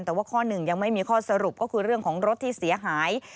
แต่ว่าข้อหนึ่งยังไม่มีข้อสรุปก็คือเรื่องของรถที่เสียหาย